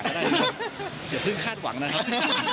เดี๋ยวเพิ่งคาดหวังนะครับ